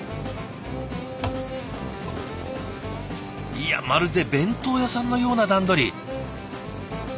いやまるで弁当屋さんのような段取り。